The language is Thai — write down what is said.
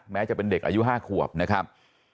แม้จะเป็นเด็กอายุ๕ขวบนะครับ